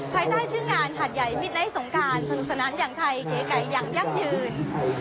ภายใต้ชื่องานหาดใหญ่มิดไลท์สงการสนุกสนานอย่างไทยเก๋ไก่อย่างยั่งยืน